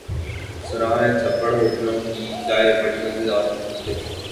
سنا ہے چھپر ہوٹلوں کی چائے بڑی مزیدار ہوتی ہے۔